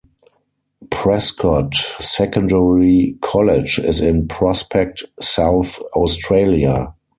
Prescott Secondary College is in Prospect, South Australia.